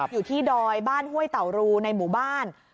อยู่ที่ดอยบ้านห้วยเต่ารูในหมู่บ้าน